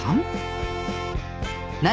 何？